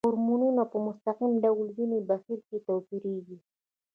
هورمونونه په مستقیم ډول وینې بهیر کې تویېږي.